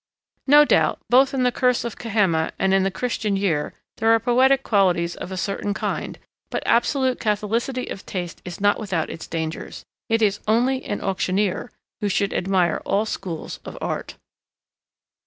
No doubt, both in the Curse of Kehama and in the Christian Year there are poetic qualities of a certain kind, but absolute catholicity of taste is not without its dangers. It is only an auctioneer who should admire all schools of art.